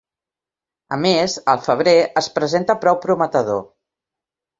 A més, el febrer es presenta prou prometedor.